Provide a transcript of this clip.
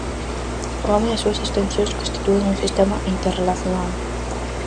O home e as súas extensións constitúen un sistema interrelacionado.